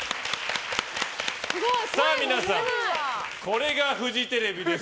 皆さん、これがフジテレビです。